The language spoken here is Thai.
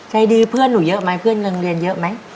ใจดีเพื่อนหนูเยอะมั้ยเพื่อนเรียนเยอะมั้ย